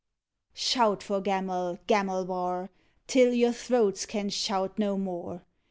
Shout for Gamel, Gamelbar, Till your throats can shout no more!